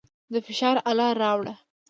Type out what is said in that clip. د فشار اله راوړه.